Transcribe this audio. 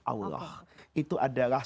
allah itu adalah